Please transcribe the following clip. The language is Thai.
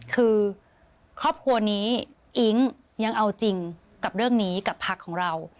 คือครอบครัวนี้อิ๊งยังเอาจริงกับเรื่องนี้กับพักของเรา